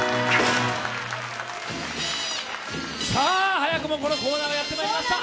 早くもこのコーナーがやってまいりました。